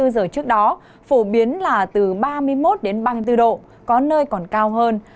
hai mươi giờ trước đó phổ biến là từ ba mươi một đến ba mươi bốn độ có nơi còn cao hơn